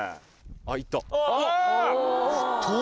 ・あっいった・あぁ！